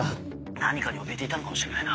何かに怯えていたのかもしれないな。